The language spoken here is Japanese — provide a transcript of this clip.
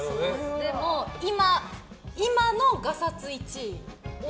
でも、今のガサツ１位は。